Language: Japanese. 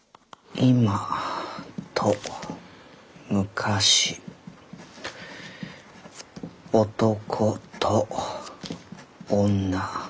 「今と昔男と女。